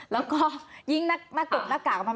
แล้วก็ยิ่งหน้ากลุ่มหน้ากากมันไม่มี